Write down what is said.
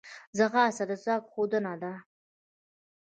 ځغاسته د ځواک ښودنه ده